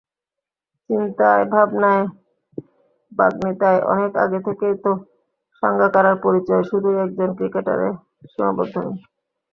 চিন্তায়-ভাবনায়-বাগ্মিতায় অনেক আগে থেকেই তো সাঙ্গাকারার পরিচয় শুধুই একজন ক্রিকেটারে সীমাবদ্ধ নেই।